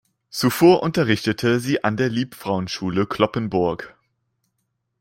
Zuvor unterrichtete sie an der Liebfrauenschule Cloppenburg.